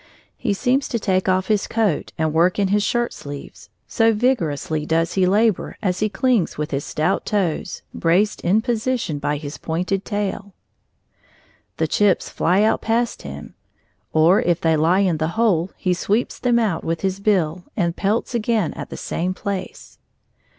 He seems to take off his coat and work in his shirtsleeves, so vigorously does he labor as he clings with his stout toes, braced in position by his pointed tail. The chips fly out past him, or if they lie in the hole, he sweeps them out with his bill and pelts again at the same place.